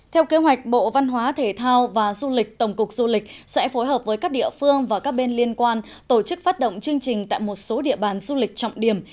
theo kế hoạch bộ văn hóa thể thao và du lịch tổng cục du lịch sẽ phối hợp với các địa phương và các bên liên quan tổ chức phát động chương trình tại một số địa bàn du lịch trọng điểm